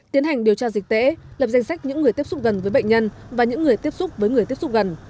tiến hành điều tra dịch tễ lập danh sách những người tiếp xúc gần với bệnh nhân và những người tiếp xúc với người tiếp xúc gần